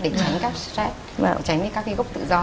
để tránh các stress tránh các cái gốc tự do